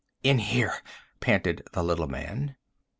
"In here!" panted the little man.